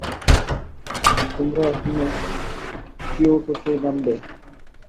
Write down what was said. তোমরা এখনো কিয়োটোতেই নামবে।